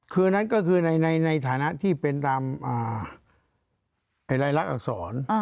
คืออันนั้นก็คือในฐานะที่เป็นตามรายลักษณอักษร